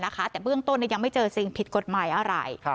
แต่เบื้องต้นยังไม่เจอสิ่งผิดกฎหมายอะไร